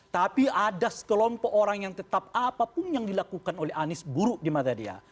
tapi ada sekelompok orang yang tetap apapun yang dilakukan oleh anies buruk di mata dia